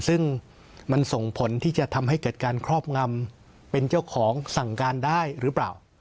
ซึ่งมันส่งผลที่จะทำให้เกิดการครอบงำเป็นเจ้าของสั่งการได้หรือเปล่า